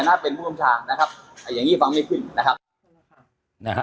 ความสังคิดขึ้นบ้าง